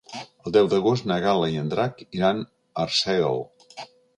El deu d'agost na Gal·la i en Drac iran a Arsèguel.